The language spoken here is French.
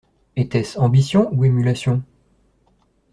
Était-ce ambition ou émulation ?